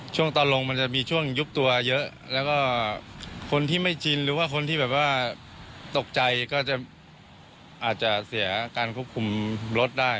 ตอนลงมันจะมีช่วงยุบตัวเยอะแล้วก็คนที่ไม่ชินหรือว่าคนที่แบบว่าตกใจก็จะอาจจะเสียการควบคุมรถได้